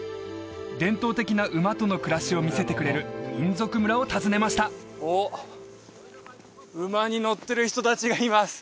伝統的な馬との暮らしを見せてくれる民族村を訪ねましたおっ馬に乗ってる人達がいます